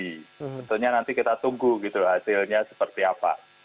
sebetulnya nanti kita tunggu gitu hasilnya seperti apa